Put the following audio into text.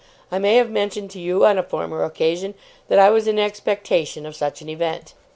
I may have mentioned to you on a former occasion that I was in expectation of such an event.